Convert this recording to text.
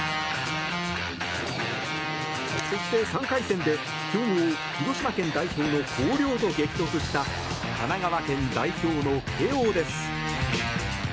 そして、３回戦で強豪・広島県代表の広陵と激突した神奈川県代表の慶應です。